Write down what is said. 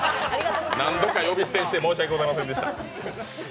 何度か呼び捨てにして申し訳ございませんでした。